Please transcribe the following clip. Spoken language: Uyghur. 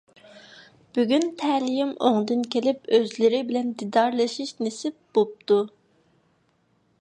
بۈگۈن تەلىيىم ئوڭدىن كېلىپ ئۆزلىرى بىلەن دىدارلىشىش نېسىپ بوپتۇ!